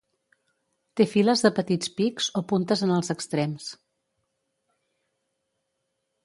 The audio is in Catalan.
Té files de petits pics o puntes en els extrems.